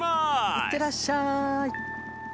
いってらっしゃい。